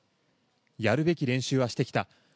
やるべき練習はしてきた。